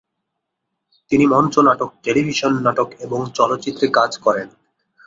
তিনি মঞ্চ নাটক, টেলিভিশন নাটক এবং চলচ্চিত্রে কাজ করেন।